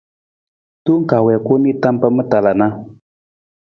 Tong kaa wii ku nii tam pa ma tala na.